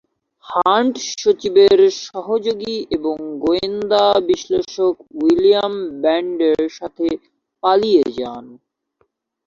Hunt সচিবের সহযোগী এবং গোয়েন্দা বিশ্লেষক উইলিয়াম ব্র্যান্ডের সাথে পালিয়ে যান।